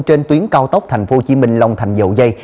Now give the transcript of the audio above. trên tuyến cao tốc tp hcm long thành dậu dây